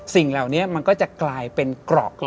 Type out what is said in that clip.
สิ่งเหล่านี้มันก็จะกลายเป็นเกราะ